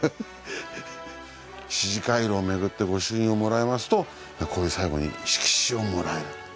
四寺廻廊巡って御朱印をもらいますとこういう最後に色紙をもらえる。